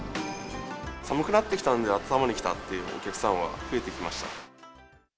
寒くなってきたので、温まりに来たっていうお客さんは増えてきました。